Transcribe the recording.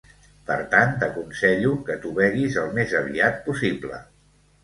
Per tant, t'aconsello que t'ho beguis al més aviat possible.